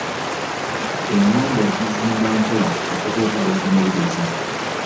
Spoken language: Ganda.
Ennyumba ogizimba mpola okutuuka lw'ogimaliriza.